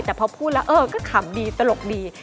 แต่พอพูดแล้วเออก็ขำดีตลกดี